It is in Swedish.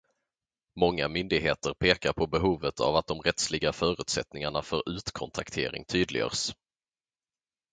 Många myndigheter pekar på behovet av att de rättsliga förutsättningarna för utkontraktering tydliggörs.